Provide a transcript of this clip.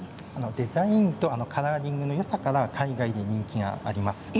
デザインとカラーリングのよさから海外に人気があります。